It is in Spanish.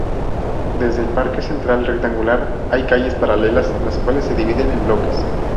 Desde el parque central rectangular hay calles paralelas, las cuales se dividen en bloques.